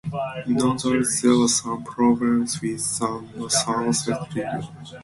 Nonetheless, there were some problems with the Somerset Regal.